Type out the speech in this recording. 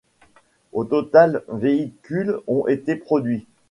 Au total véhicules ont été produits.